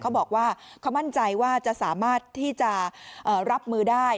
เขาบอกว่าเขามั่นใจว่าจะสามารถที่จะรับมือได้